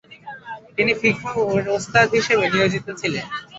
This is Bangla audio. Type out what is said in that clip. তিনি 'ফিকহ'-এর ওস্তাদ হিসেবে নিয়োজিত ছিলেন ।